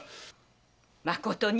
まことに？